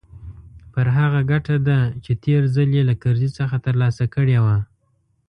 پر هغه ګټه ده چې تېر ځل يې له کرزي څخه ترلاسه کړې وه.